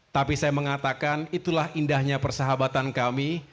tapi saya mengatakan itulah indahnya persahabatan kami